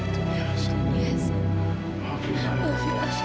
terima kasih ya allah